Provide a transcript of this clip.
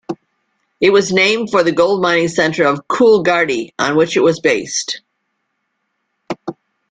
It was named for the gold-mining centre of Coolgardie, on which it was based.